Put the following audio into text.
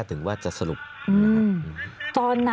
สามารถรู้ได้เลยเหรอคะ